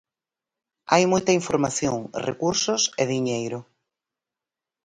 Hai moita información, recursos e diñeiro.